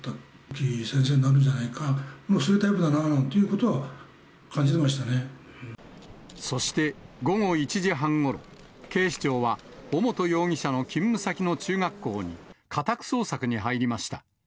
いい先生になるんじゃないか、そういうタイプだなということはそして、午後１時半ごろ、警視庁は、尾本容疑者の勤務先の中学校に家宅捜索に入りました。